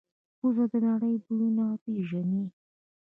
پزه د نړۍ بویونه پېژني.